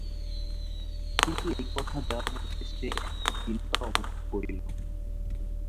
কিন্তু এই কথা দেওয়ার মধ্যে সে একটা দীনতা অনুভব করিল।